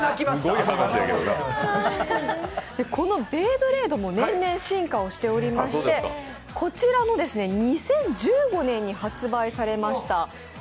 このベイブレードも年々、進化をしておりましてこちらの２０１５年に発売されました